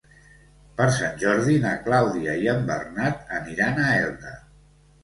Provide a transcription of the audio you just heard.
Per Sant Jordi na Clàudia i en Bernat aniran a Elda.